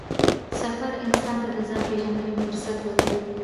سفر انسان ته د ځان پېژندنې فرصت ورکوي